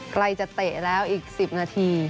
ใกล้จะเตะแล้วอีก๑๐นาที